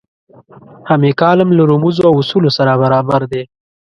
هم یې کالم له رموزو او اصولو سره برابر دی.